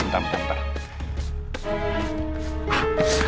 bentar bentar bentar